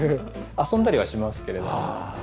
遊んだりはしますけれども。